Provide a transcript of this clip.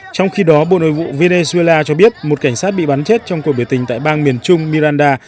trong khi đó bộ nội vụ venezuela cho biết một cảnh sát bị bắn chết trong cuộc biểu tình tại bang miền trung miranda